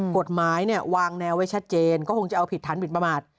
กฎหมายวางแนวไว้ชัดเจนก็คงจะเอาผิดฐานหมินประมาท